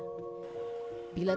bila tidak ada uang